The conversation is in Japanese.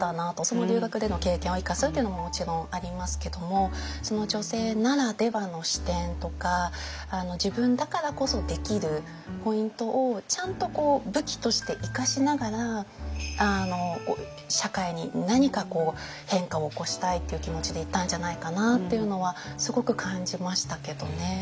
その留学での経験を生かすっていうのももちろんありますけども女性ならではの視点とか自分だからこそできるポイントをちゃんと武器として生かしながら社会に何か変化を起こしたいっていう気持ちでいたんじゃないかなっていうのはすごく感じましたけどね。